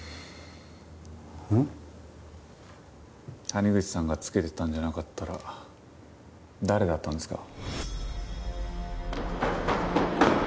谷口さんがつけてたんじゃなかったら誰だったんですか？